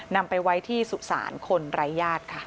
นำไปไว้ที่สุสานคนไร้ญาติค่ะ